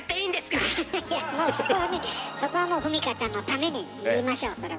フフッいやもうそこはねそこはもうふみかちゃんのために言いましょうそれは。